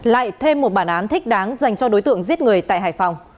lại thêm một bản án thích đáng dành cho đối tượng giết người tại hải phòng